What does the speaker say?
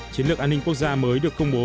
chiến lược an ninh quốc gia mới được công bố